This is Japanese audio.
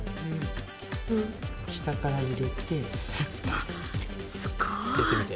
下から入れてスッとやってみて。